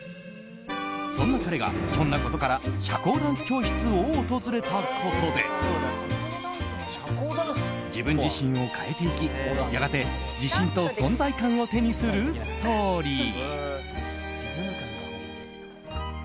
そんな彼が、ひょんなことから社交ダンス教室を訪れたことで自分自身を変えていきやがて自信と存在感を手にするストーリー。